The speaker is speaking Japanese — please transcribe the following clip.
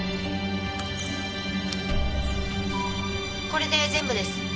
これで全部です。